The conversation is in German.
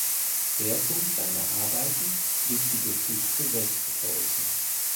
Schwerpunkt seiner Arbeiten blieb die Geschichte Westpreußens.